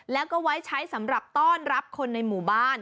แล้วก็ไว้ใช้สำหรับต้อนรับคนในหมู่บ้าน